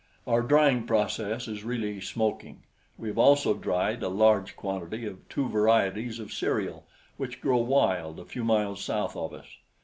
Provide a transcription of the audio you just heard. Our drying process is really smoking. We have also dried a large quantity of two varieties of cereal which grow wild a few miles south of us.